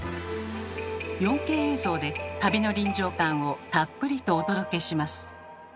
４Ｋ映像で旅の臨場感をたっぷりとお届けします。